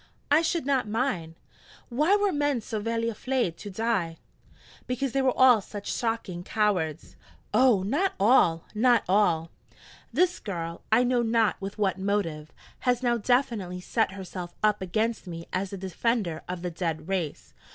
'I should not mind. Why were men so vely aflaid to die?' 'Because they were all such shocking cowards.' 'Oh, not all! not all!' (This girl, I know not with what motive, has now definitely set herself up against me as the defender of the dead race.